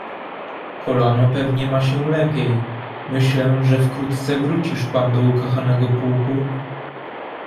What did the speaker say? "Kolano pewnie ma się lepiej, myślę, że wkrótce wrócisz pan do ukochanego pułku?"